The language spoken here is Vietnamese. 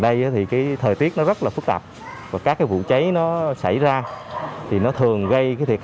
đây thì cái thời tiết nó rất là phức tạp và các cái vụ cháy nó xảy ra thì nó thường gây cái thiệt